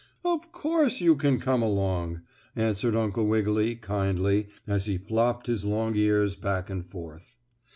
"Of course you can come along," answered Uncle Wiggily, kindly, as he flopped his long ears back and forth.